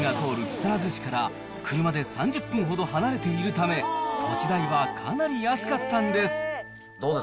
木更津市から車で３０分ほど離れているため、土地代はかなり安かったんです。